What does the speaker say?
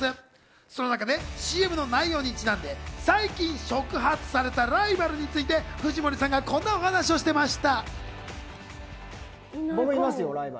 その中で、ＣＭの内容にちなんで、最近、触発されたライバルについて藤森さんがこんなお話をしていました。